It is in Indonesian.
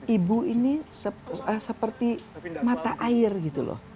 ibu ini seperti mata air gitu loh